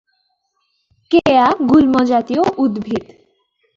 কেয়া গুল্মজাতীয় উদ্ভিদ।